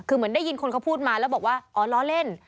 คือเหมือนได้ยินคนเขาพูดมาแล้วบอกว่าอ๋อล้อเล่น